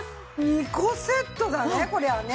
２個セットだねこりゃあね。